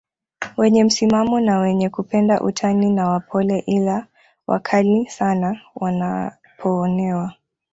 wenye msimamo na wenye kupenda utani na wapole ila wakali sana wanapoonewa